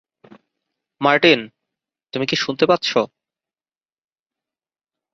Martin, তুমি কি শুনতে পাচ্ছ?